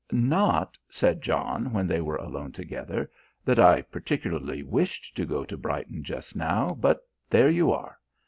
"Not," said John, when they were alone together, "that I particularly wished to go to Brighton just now, but there you are.